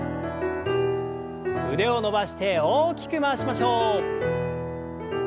腕を伸ばして大きく回しましょう。